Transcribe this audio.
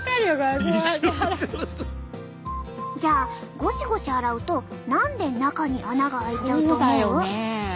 じゃあゴシゴシ洗うと何で中に穴があいちゃうと思う？